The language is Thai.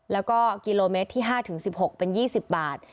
แล้วก็กิโลเมตรที่๕๑๖เป็น๒๐บาท